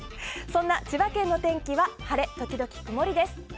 そんな千葉県のお天気は晴れ時々曇りです。